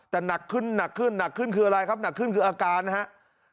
แต่หนักขึ้นหนักขึ้นหนักขึ้นคืออะไรครับหนักขึ้นคืออาการนะครับ